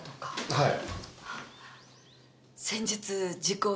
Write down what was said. はい。